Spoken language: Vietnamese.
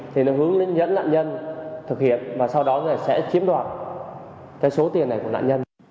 thì nó hướng đến dẫn nạn nhân thực hiện và sau đó là sẽ chiếm đoạt cái số tiền này của nạn nhân